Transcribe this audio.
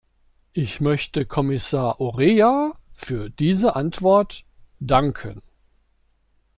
Ich möchte Kommissar Oreja für diese Antwort danken.